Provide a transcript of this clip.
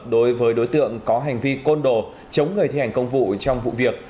đối với đối tượng có hành vi côn đồ chống người thi hành công vụ trong vụ việc